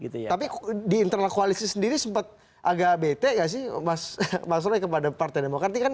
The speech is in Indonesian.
tapi di internal koalisi sendiri sempat agak bete ya sih mas ruh kepada partai demokrati kan